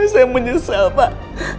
saya menyesal pak